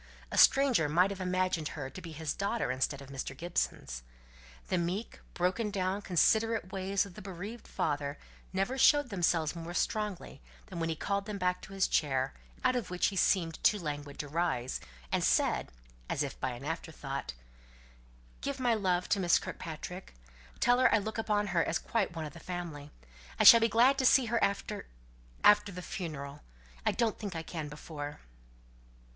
A stranger might have imagined her to be his daughter instead of Mr. Gibson's. The meek, broken down, considerate ways of the bereaved father never showed themselves more strongly than when he called them back to his chair, out of which he seemed too languid to rise, and said, as if by an after thought: "Give my love to Miss Kirkpatrick; tell her I look upon her as quite one of the family. I shall be glad to see her after after the funeral. I don't think I can before."